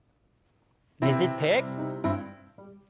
ねじって。